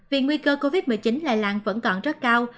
vì nguy cơ covid một mươi chín lại làn vẫn còn rất cao